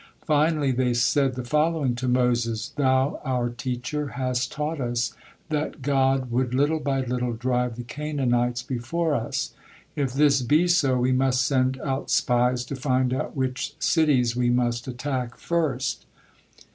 Finally they said the following to Moses: "Thou, our teacher, hast taught us that God 'would little by little drive the Canaanites before us.' If this be so, we must send out spies to find out which cities we must attack first."